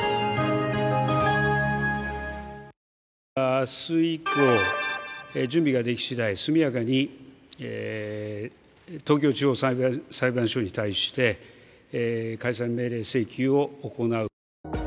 明日以降、準備ができ次第、速やかに東京地方裁判所に対し解散命令請求を行う。